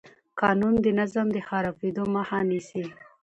قانون د نظم د خرابېدو مخه نیسي.